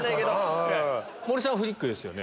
森さんフリックですよね？